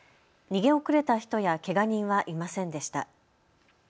逃げ遅れた人やけが人はいませんでした。